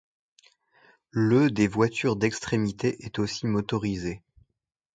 Le des voitures d'extrémité est aussi motorisé.